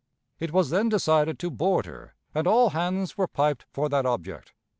It was then decided to board her, and all hands were piped for that object.